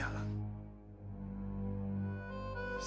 saya tidak mau mencari anak saya